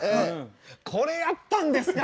これやったんですか。